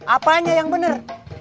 apanya yang benar